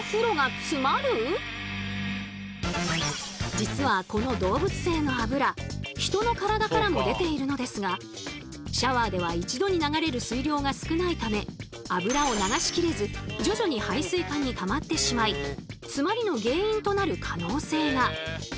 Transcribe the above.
実はこの動物性のあぶらヒトの体からも出ているのですがシャワーでは一度に流れる水量が少ないためあぶらを流しきれず徐々に排水管にたまってしまい詰まりの原因となる可能性が！